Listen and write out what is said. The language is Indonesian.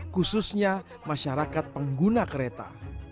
khususnya masyarakat pengguna kereta